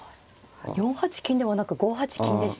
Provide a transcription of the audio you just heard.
４八金ではなく５八金でした。